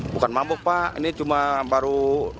bukan mabuk pak ini cuma baru